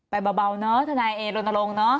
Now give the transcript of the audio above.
ไปเบาเนอะทนายเอลลงเนอะ